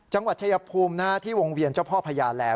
จังหวัดชายภูมิที่วงเวียนเจ้าพ่อพญาแหลม